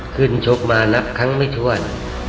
คืนโชคมานับครั้งไม่ทวน